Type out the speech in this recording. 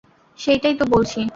সেইটাই তো বলছি।